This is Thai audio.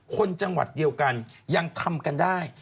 คนจังหวัดเดียวกันยังทำกันได้